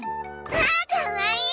わあかわいい！